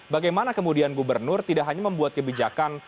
bagaimana kemudian gubernur tidak hanya membuat kebijakan